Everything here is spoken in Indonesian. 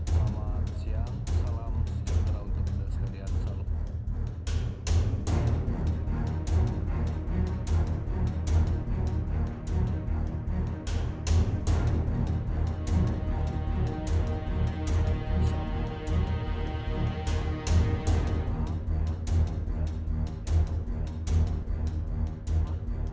selamat siang salam sejahtera untuk kita sekalian salam